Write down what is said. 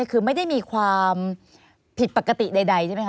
คือไม่ได้มีความผิดปกติใดใช่ไหมค